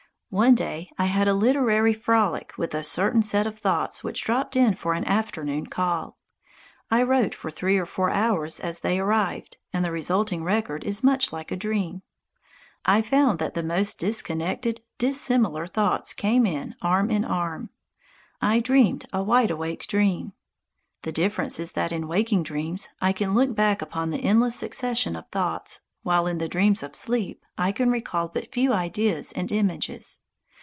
One day I had a literary frolic with a certain set of thoughts which dropped in for an afternoon call. I wrote for three or four hours as they arrived, and the resulting record is much like a dream. I found that the most disconnected, dissimilar thoughts came in arm in arm I dreamed a wide awake dream. The difference is that in waking dreams I can look back upon the endless succession of thoughts, while in the dreams of sleep I can recall but few ideas and images.